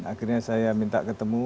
akhirnya saya minta ketemu